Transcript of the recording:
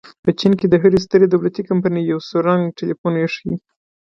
په چین کې د هرې سترې دولتي کمپنۍ یو سور رنګه ټیلیفون ایښی.